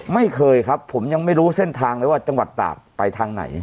ไม่เคยครับผมยังไม่รู้เส้นทางเลยว่าจังหวัดตากไปทางไหน